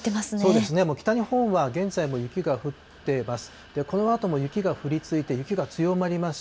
もう北日本は、現在も雪が降っています。